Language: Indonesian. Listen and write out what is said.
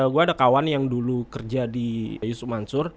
gue ada kawan yang dulu kerja di yusuf mansur